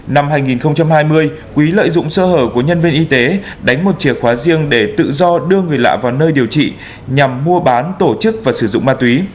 năm hai nghìn hai mươi quý lợi dụng sơ hở của nhân viên y tế đánh một chìa khóa riêng để tự do đưa người lạ vào nơi điều trị nhằm mua bán tổ chức và sử dụng ma túy